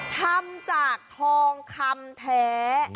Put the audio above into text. ทำจากทองคำแท้